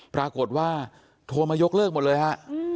ปรากฏว่าโทรมายกเลิกหมดเลยฮะ